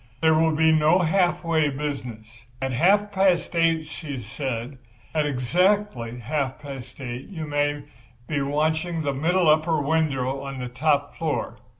There will be no half way business. At half past eight,' she said, 'at exactly half past eight you may be watching the middle upper window of the top floor.